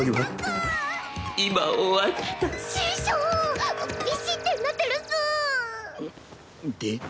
師匠ビシッてなってるっス！で？